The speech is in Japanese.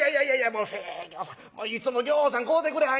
もう生喬さんいつもぎょうさん買うてくれはんのや。